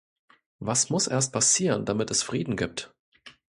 Was muss erst passieren, damit es Frieden gibt?